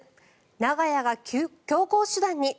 長屋が強硬手段に。